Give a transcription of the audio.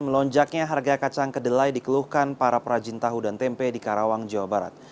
melonjaknya harga kacang kedelai dikeluhkan para perajin tahu dan tempe di karawang jawa barat